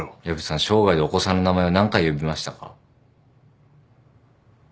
薮さん生涯でお子さんの名前を何回呼びましたか？